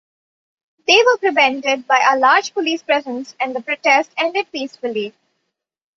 They were prevented by a large police presence and the protest ended peacefully.